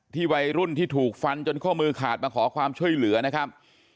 วัยรุ่นที่ถูกฟันจนข้อมือขาดมาขอความช่วยเหลือนะครับ